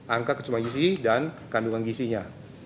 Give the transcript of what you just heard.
angka kecumaan gisi dan kandungan gisinya